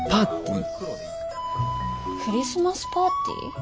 クリスマスパーティー？